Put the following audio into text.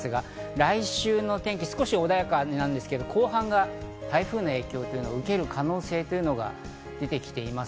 来週の天気、少し穏やかですが後半は台風の影響を受ける可能性が出てきています。